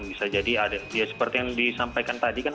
bisa jadi ada ya seperti yang disampaikan tadi kan